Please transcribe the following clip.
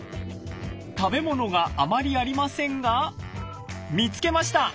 食べ物があまりありませんが見つけました！